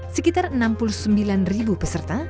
sekitar enam puluh sembilan peserta